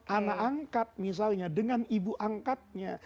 anak angkat misalnya dengan ibu angkatnya